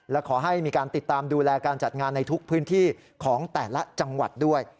และขอให้มีการติดตามดูแลการจัดงานในทุกพื้นที่ของแต่ละจังหวัดด้วย